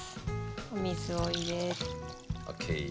お水を入れて。